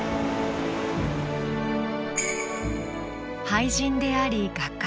俳人であり画家。